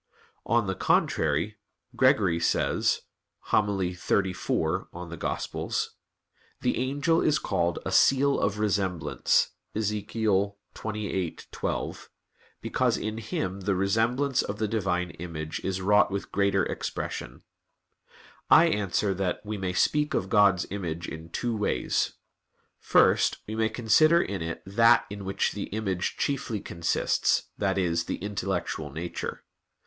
On the contrary, Gregory says (Hom. in Evang. xxxiv): "The angel is called a "seal of resemblance" (Ezech. 28:12) because in him the resemblance of the Divine image is wrought with greater expression. I answer that, We may speak of God's image in two ways. First, we may consider in it that in which the image chiefly consists, that is, the intellectual nature.